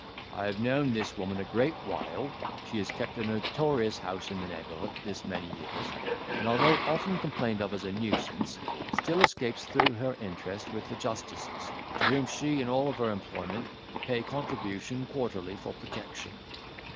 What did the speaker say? I have known this woman a great while; she has kept a notorious house in the neighbourhood this many years; and although often complained of as a nuisance, still escapes through her interest with the justices, to whom she and all of her employment pay contribution quarterly for protection.